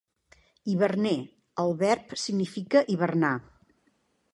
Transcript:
"Hiverner" el verb significa hivernar.